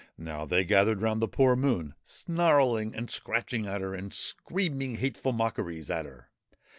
Now they gathered round the poor Moon, snarling and scratching at her and screaming hateful mockeries at her.